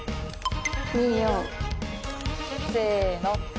２４。せの。